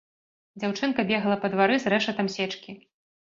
Дзяўчынка бегла па двары з рэшатам сечкі.